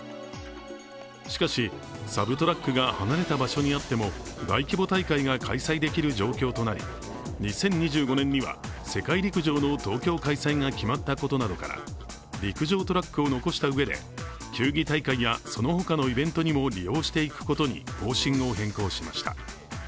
しかし、サブトラックが離れた場所にあっても大規模大会が開催できる状況となり、２０２５年には世界陸上の東京開催が決まったことなどから陸上トラックを残したうえで球技大会やその他のイベントにも利用していくことに方針を変更しました。